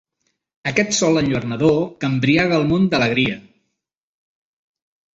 Aquest sol enlluernador que embriaga el món d'alegria